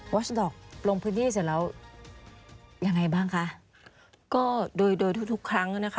อสดอกลงพื้นที่เสร็จแล้วยังไงบ้างคะก็โดยโดยทุกทุกครั้งอ่ะนะคะ